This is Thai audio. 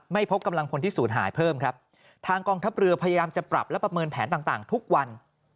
พบกำลังพลที่ศูนย์หายเพิ่มครับทางกองทัพเรือพยายามจะปรับและประเมินแผนต่างทุกวัน